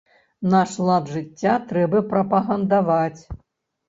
Наш лад жыцця трэба прапагандаваць.